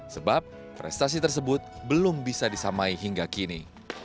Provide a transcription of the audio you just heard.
sebab prestasi tersebut belum bisa disamai hingga kini